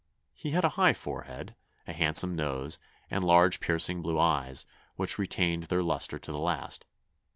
He had a high forehead, a handsome nose, and large piercing blue eyes, which retained their lustre to the last.